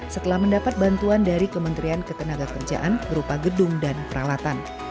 setelah mendapat bantuan dari kementerian ketenaga kerjaan berupa gedung dan peralatan